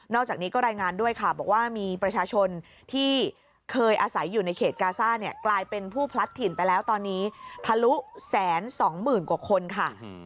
อกจากนี้ก็รายงานด้วยค่ะบอกว่ามีประชาชนที่เคยอาศัยอยู่ในเขตกาซ่าเนี่ยกลายเป็นผู้พลัดถิ่นไปแล้วตอนนี้ทะลุ๑๒๐๐๐กว่าคนค่ะ